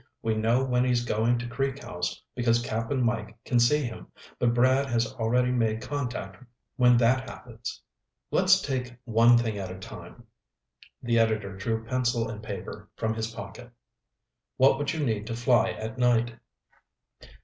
We know when he's going to Creek House, because Cap'n Mike can see him. But Brad has already made contact when that happens." "Let's take one thing at a time." The editor drew pencil and paper from his pocket. "What would you need to fly at night?"